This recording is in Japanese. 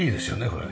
これ。